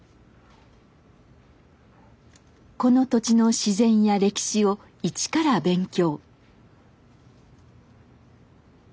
この土地の自然や歴史を一から勉強。